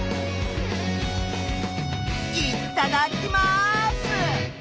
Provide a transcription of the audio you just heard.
いっただっきます！